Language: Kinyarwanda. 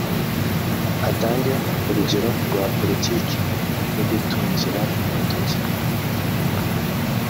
atange urugero rwa politiki yo gutungira urutoki